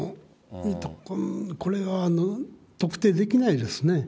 これは特定できないですね。